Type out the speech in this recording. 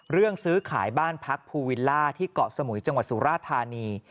เรื่องซื้อขายบ้านพักภูวิลล่าที่เกาะสมุยจังหวัดสุราธานี